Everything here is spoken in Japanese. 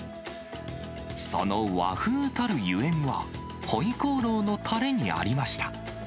その和風たるゆえんは、ホイコーローのたれにありました。